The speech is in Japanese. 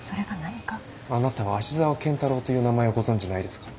あなたは芦沢健太郎という名前をご存じないですか？